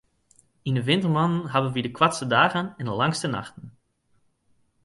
Yn 'e wintermoannen hawwe wy de koartste dagen en de langste nachten.